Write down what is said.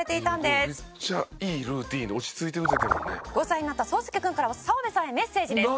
「５歳になったそうすけ君から澤部さんへメッセージです」